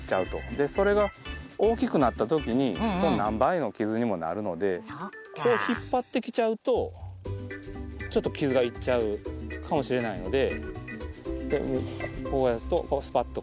それが大きくなった時にその何倍の傷にもなるのでこう引っ張ってきちゃうとちょっと傷がいっちゃうかもしれないのでこうやるとスパッとこう。